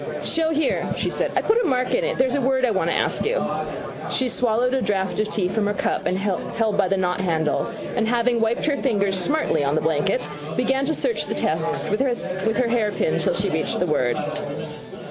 —Show here, she said. I put a mark in it. There's a word I wanted to ask you. She swallowed a draught of tea from her cup held by nothandle and, having wiped her fingertips smartly on the blanket, began to search the text with the hairpin till she reached the word.